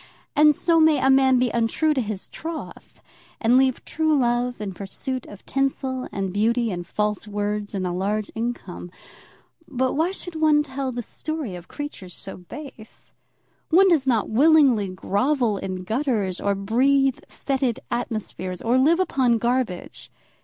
And so may a man be untrue to his troth, and leave true love in pursuit of tinsel, and beauty, and false words, and a large income. But why should one tell the story of creatures so base? One does not willingly grovel in gutters, or breathe fetid atmospheres, or live upon garbage.